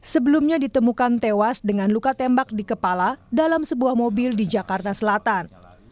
sebelumnya ditemukan tewas dengan luka tembak di kepala dalam sebuah mobil di jakarta selatan